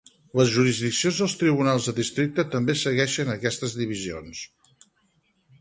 Les jurisdiccions dels tribunals de districte també segueixen aquestes divisions.